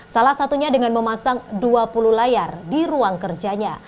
salah satunya dengan memasang dua puluh layar di ruang kerjanya